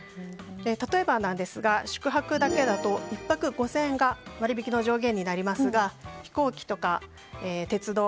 例えば宿泊だけだと１泊５０００円が割引の上限になりますが飛行機とか鉄道